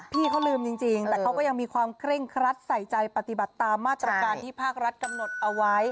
พี่เขาลืมจริงแต่เขาก็ยังมีความเคร่งครัดใส่ใจปฏิบัติตามมาตรการที่ภาครัฐกำหนดเอาไว้